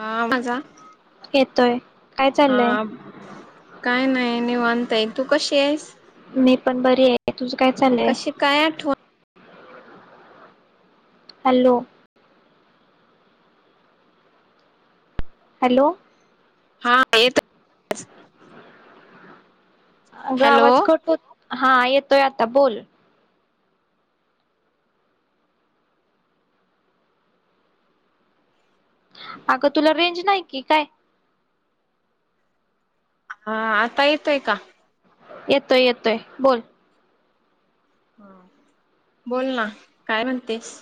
हा माझा येतोय काय चाललंय हा काय नाही नाही म्हणता ये तू कशी आहेस मी पण बरी आहे तुझं काय चालय कशी काय आठवण हॅलो हॅलो हा येत आहे अग आवाज कट होताय हा येतोय आता बोल अगं तुला रेंज नाही कि काय हा आता येतोय का येतोय येतोय बोल ह बोल ना काय म्हणतेस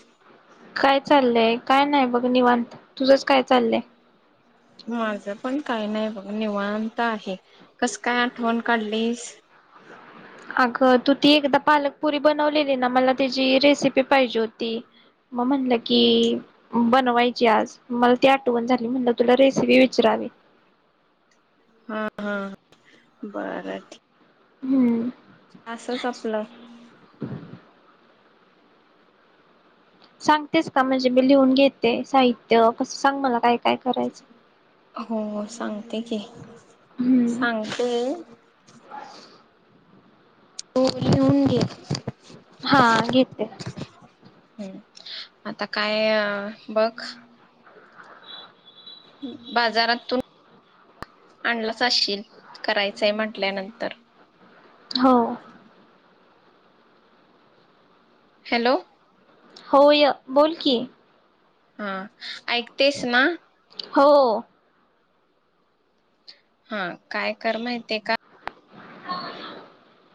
काय चाललंय काय नाही बघ निवांत तुझच काय चाललंय माझं पण काही नाही बघ निवांत आहे कसं काय आठवण काढलीस अगं तू ती एकदा पालकपुरी बनवलेली ना मला त्याची रेसिपी पाहिजे होती मग म्हणलं की बनवायची आज मला ती आठवण झाली म्हणलं तुला रेसिपी विचरावी हा हा बरं ठीक हम्म असं चपलं सांगतेस का म्हणजे मी लिहून घेते साहित्य कस सांग मला काय काय करायचं हो हो सांगते की हम्म सांगते हो लिहून घे हा घेतेत हम्म आता काय बघ बाजारातून आणलाचशील करायचंय म्हटल्यानंतर हो हॅलो होय बोल की हा ऐकतेस ना हो हा काय कर माहिते का [unintelligible]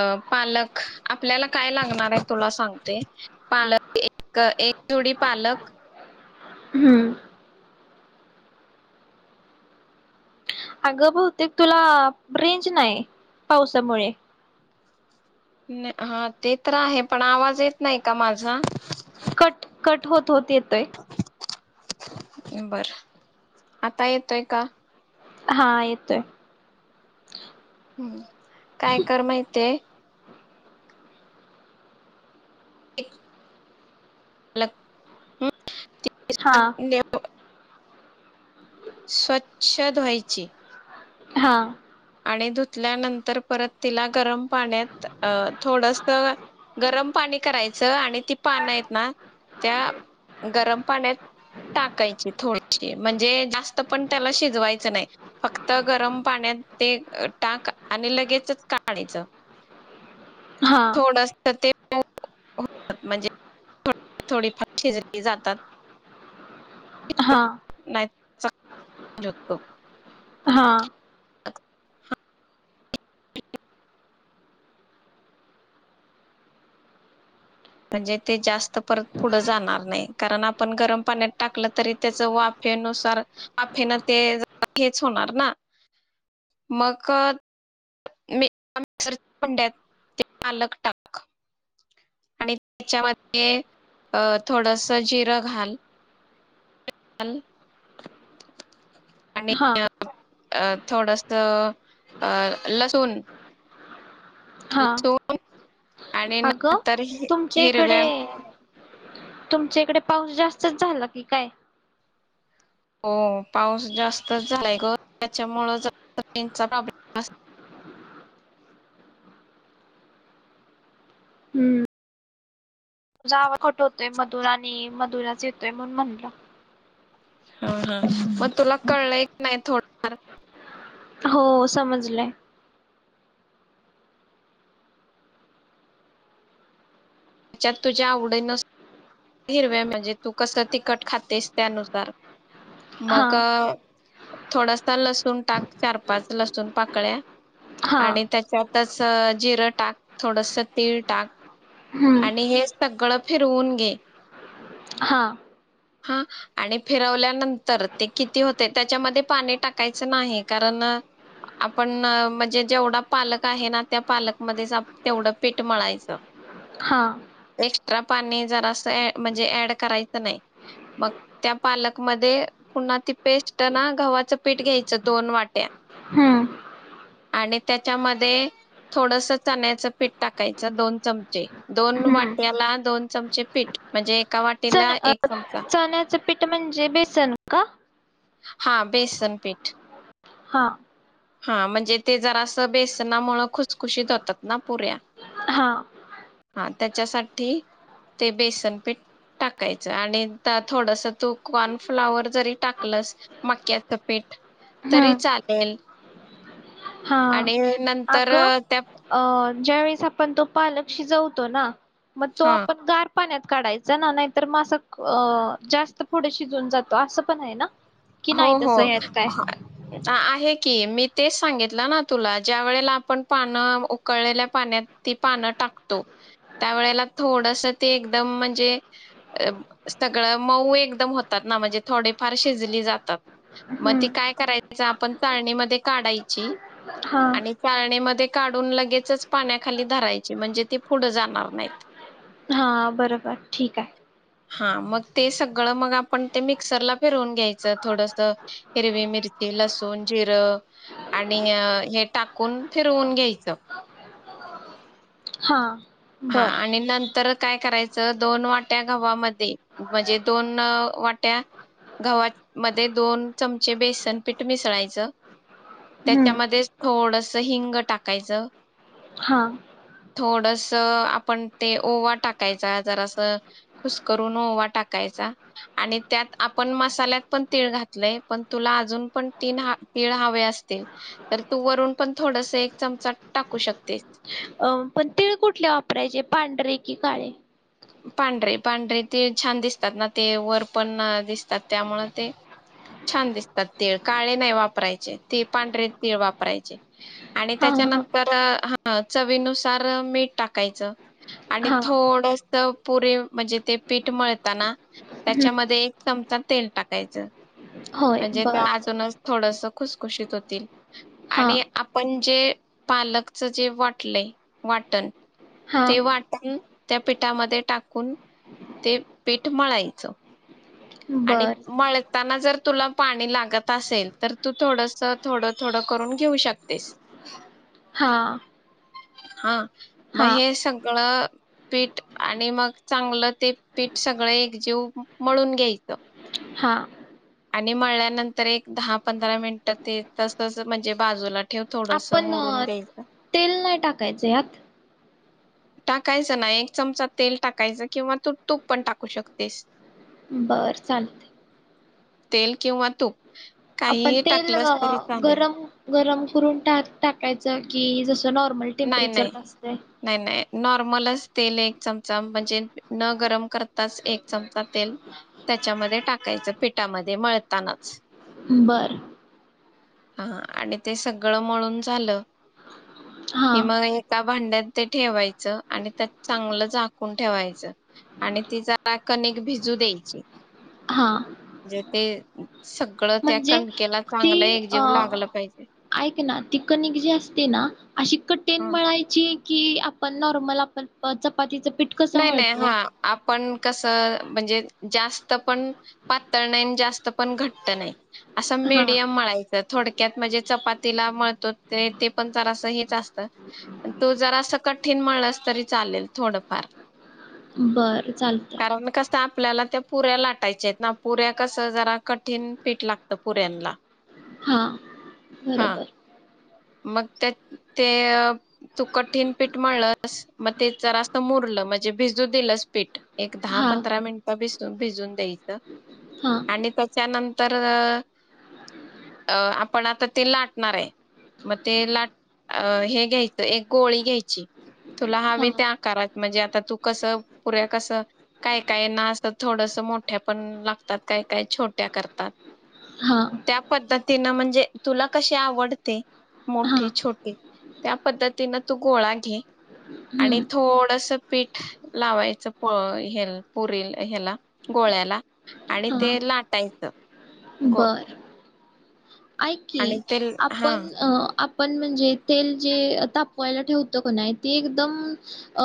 अ पालक आपल्याला काय लागणार आहे तुला सांगते पालक एक एक जोडी पालक हम्म अगं बहुतेक तुला रेंज नाही पावसामुळे हा ते तर आहे पण आवाज येत नाही का माझा कट कट होत होते ते बर आता येतोय का हा येतोय हम्म काय कर माहितीये एक हम् हा स्वच्छ धुवायची हा आणि धुतल्यानंतर परत तिला गरम पाण्यात अ थोडस गरम पाणी करायचं आणि ती पान आहेत ना त्या गरम पाण्यात टाकायची थोडीशी म्हणजे जास्त पण त्याला शिजवायचं नाही फक्त गरम पाण्यात ते टाक आणि लगेचच काढायचा हा थोडस ते म्हणजे थोडी फार शिजली जातात हा [unintelligible] हा अ म्हणजे ते जास्त परत पुढं जाणार नाही कारण आपण गरम पाण्यात टाकलं तरी त्याच वाफेनुसार वाफेन ते हेच होणार ना मगं ते मिस्कर च्या भांडत ते पालक टाक आणि त्याच्यामध्ये अ थोडस जिरं घाल [unintelligible] हा अ थोडस अ लसूण हा लसून आणि अगं नंतर ह तुमच्या इकडे हिरव्या तुमच्या इकडे पाऊस जास्तच झाला की काय? हो पाऊस जास्तच झालाय ग त्याच्यामुळे [inaudible] रेंजचा प्रॉब्लेम हम्म तूझा आवाज कट होतोय. मधुरा आणि मधुराच येतोय म्हणून म्हटल. [inaudible] हा हा मग तुला कळल नाही थोड आला हो समजलंय. तुझ्य तुझ्या आवडीन. नसती हिरव्या म्हणजे तू कसं तिकट खातेस त्यानुसार. हा मग थोडासा लसूण टाक चार, पाच लसूण पाकळ्या. हा आणि त्याच्या तस जिरं टाक, थोडस तीळ टाक, हम्म आणि हे सगळं फिरवून घे. हां. हा आणि फिरवल्यानंतर ते किती होते. त्याच्यामध्ये पाणी टाकायचं नाही, कारण आपण म्हणजे जेवढा पालक आहे. ना त्या पालकमध्येच तेवढं पीठ मळायचं हा एक्स्ट्रा पाणी जरा असं ऍ म्हणजे ऍड करायचं नाही, मग त्या पालक मध्ये पुन्हा ती पेस्ट ना गव्हाचं पीठ घ्यायचं. दोन वाट्या हम्म आणि त्याच्यामध्ये थोडस चण्याचं पीठ, टाकायचं दोन चमचे, दोन हम्म वाट्याला दोन चमचे पीठ. म्हणजे एका चण वाटीला अ एक चम चण्याचं पीठ म्हणजे बेसन का? हा बेसन पीठ. हा. हा म्हणजे ते जरासं बेसना मुळ खुसखुशीत होतात ना पुऱ्या. हा हा त्याच्यासाठी ते बेसन पीठ, टाकायचं आणि थोडस तू कॉर्नफ्लाॉवर, जरी टाकलस मक्याच पीठ हम्म तरी चालेल. हा आणि नंतर आगं! त्या अ. ज्या वेळेस आपण तो पालक शिजवतो ना. मग तो हा आपण गार पाण्यात काढायचं, ना नाहीतर म असं जास्त पुढ शिजून जातो, असं पण आहे ना. कि नाही हो हो तसं यात काय आहे की मी. तेच सांगितलं ना तुला, ज्या वेळेला आपण पानं उकळलेल्या पाण्यात ती पानं टाकतो, त्या वेळेला थोडस ते एकदम म्हणजे, सगळं मऊ एकदम होतात ना म्हणजे थोडेफार शिजली जात [unintelligible] मग हम्म ती काय कराय [unintelligible] आपण तळणीमध्ये काढायची. हा आणि पाण्यामध्ये काढून लगेचच पाण्याखाली धरायची, म्हणजे ती पुढ जाणार नाहीत. हा बर बर ठीक आहे. हा मग ते सगळं मग आपण ते मिक्सरला फिरवून घ्याय ज थोडस हिरवी मिरची, लसूण, जिरं आणि हे टाकून फिरवून घ्यायचं. हा. हा बर आणि नंतरत काय करायचं दोन वाट्या गवामध्ये म्हणजे, दोन वाट्या गव्हामध्ये दोन चमचे बेसन पीठ मिसळायचं, हम्म त्याच्यामध्ये थोडस हिंग टाकायचं. हा. थोडंसं त आपण ते ओवा टाकायचा, जरासं खुसकरून ओवा टाकायचा, आणि त्यात आपण मसाल्यात पण तीळ घातलय पण तुला अजून पण तीन तीळ हवे असतील. तर तू वरून पण थोडस एक चमचा टाकू शकतेस अं पण तीळ कुठले वापरायचे पांढरे कि काळे. पांढरे पांढरे तीळ छान दिसतात ना ते वर पण दिसतात त्यामूळ ते छान दिसतात तीळ काळे नाही वापरायचे ते पांढर तीळ वापरायचे. आणि हा हा त्याच्यानंतर ह चवीनुसार मीठ टाकायचं आणि हा हा थोड पुरे म्हणजे ते पीठ मळताना त्याच्यामध्ये हम्म एक चमचा तेल टाकायचं. होय म्हणजे ते बर अजूनच थोडस खुसखुशीत होतील. हा आणि आपण जे पालकच जे वाटलंय वाटण हा ते वाटण त्या पीठामध्ये टाकून ते पीठ मळायचं. आणि बर मळताना जर तुला पाणी लागत असेल तर तू थोडस थोडं थोडं करून घेऊ शकतेस. हां. हा. मग हे सगळं पीठ आणि मग चांगलं ते पीठ सगळं एकजीव मळून घ्यायचं. हा. आणि मळल्यानंतर एक दहा पंधरा मिनिट ते तसच म्हणजे बाजूला ठेव. थोडस आपण मोरून द्यायचं तेल नाही टाकायचं यात टाकायचं ना एक चमचा तेल टाकायचं किंवा तू तूप पण टाकू शकतेस. बर चालते तेल किंवा तूप आपण काहीही तेल टाकलंस ग तरी चालेल गरम गरम करून त्यात टाकायच की नॉर्मल नाही नाही टेम्परेचर ला असतय जर नाही नाही नॉर्मलच तेल एक चमचा म्हणजे न गरम करताच एक चमचा तेल त्याच्यामध्ये टाकायचं पिठामध्ये मळतानाच बरं हा आणि ते सगळं मळून झालं हा की मग एका भांड्यात ते ठेवायचं आणि त्यात चांगलं झाकून ठेवायचं आणि ति जरा कनिक भिजू द्यायची. हा. ते ते सगळं त्या म्हणजे कणकेला चांगलं ती अ एकजीव लागलं पाहिजे ऐक ना ति कणिक जी असते ना अशी कटीन हा मळायची. कि आपण नॉर्मल आपण चपातीच नाही नाही हा आपण कस म्हणजे जास्त पण पातळ नाही जास्त पण घट्ट नाही. असं हा मीडियम मळायचं थोडक्यात म्हणजे चपाती तिला मळतो ते ते पण जरासं हेच असत पण तो जरास कठीण मळलास तरी चालेल थोडंफार बर कारण कस आपण आपल्याला त्या पुऱ्या लाटायच्या आहेत ना पुऱ्या कसं जरा कठीण पीठ लागतय. पुऱ्यांना हा बरोबर मग त्या ते तू कठीण पीठ मळलस मग तेच जरास मुरल म्हणजे भिजू दिलंस पीठ एक दहा हा पंधरा मिनट मग भिस भिजून द्यायचं. हा आणि त्याच्यानंतर अ आपण आता ते लाटणार आहे. म ते लाट हे घ्यायचं एक गोळी घ्यायची तुला हवी हा त्या आकारात म्हणजे आता तू कसं पुऱ्या कसं काय काय ना असं थोडस मोठ्या पण लागतात. काय काय छोट्या करतात हा त्या पद्धतीनं म्हणजे तुला कशी आवडते. हा मोठी छोटी त्या पद्धतीनं तू गोळा घे आणि हम्म थोडस पीठ लावायचंपुरी ह्याला गोळ्याला आणि ते लाटायचं. गो बर ऐक की आणि तेल हा आपण पण म्हणजे तेल जे तापवायला ठेवत का नाही ते एकदम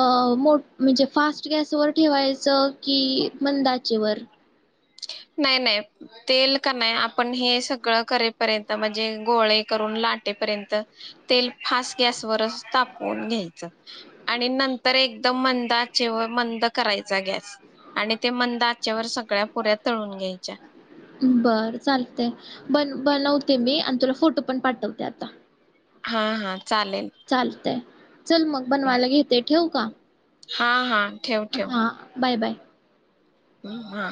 अ मो म्हणजे फास्ट गॅसवर ठेवायचं कि मंद आचेवर नाही नाही तेल का नाही आपण हे सगळं करेपर्यंत म्हणजे गोळे करून लाटेपर्यंत तेल फास्ट गॅसवरच तापून घ्यायचं. आणि नंतर एकदम मंद आचेवर मंद करायचा. गॅस आणि ते मंद आच्यावर सगळ्या पुऱ्या तळून घ्यायच्या. बर चालते बन बनवते मी आणि तुला फोटो पण पाठवते आता हा हा चालेल चालतय. चल मग बनवायला घेते. ठेवू का हा हा ठेव हा बाय बाय हम् हा